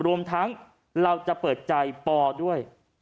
รวมทั้งเราจะเปิดใจปอด้วย